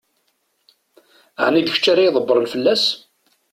Ɛni d kečč ara ydebbṛen fell-as?